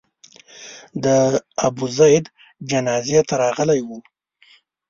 د ابوزید جنازې ته راغلي وو.